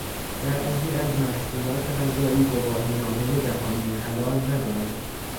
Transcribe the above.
بعضی از محصولات غذایی گواهینامهٔ جهانی حلال ندارند.